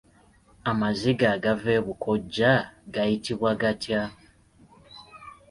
Amaziga agava ebukojja gayitibwa gatya?